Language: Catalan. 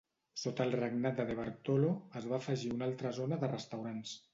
Sota el regnat de DeBartolo, es va afegir una altra zona de restaurants.